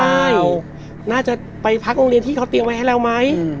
ใช่น่าจะไปพักโรงเรียนที่เขาเตรียมไว้ให้แล้วไหม